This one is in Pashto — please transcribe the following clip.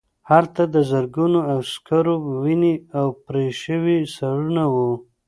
هلته د زرګونو عسکرو وینې او پرې شوي سرونه وو